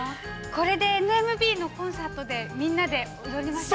◆これで、ＮＭＢのコンサートでみんなで踊りましょう。